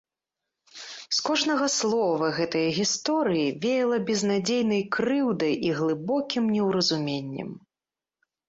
З кожнага слова гэтае гісторыі веяла безнадзейнай крыўдай і глыбокім неўразуменнем.